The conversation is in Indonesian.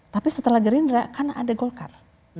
tapi setelah gerindra karena ada golkar